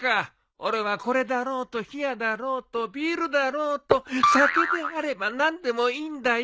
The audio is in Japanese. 俺はこれだろうと冷やだろうとビールだろうと酒であれば何でもいいんだよ。